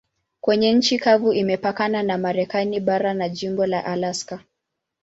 Kwenye nchi kavu imepakana na Marekani bara na jimbo la Alaska.